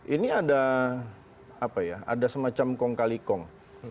ini ada semacam kong kali kong